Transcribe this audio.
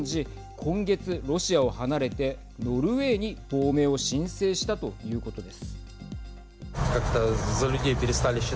今月、ロシアを離れてノルウェーに亡命を申請したということです。